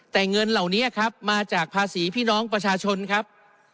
แต่เงินเหล่านี้ครับมาจากภาษีพี่น้องประชาชนครับ